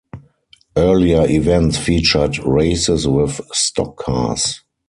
Earlier events featured races with stock cars.